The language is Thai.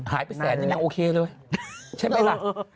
หายไปแสนนึงยังโอเคเลยใช่ไหมล่ะ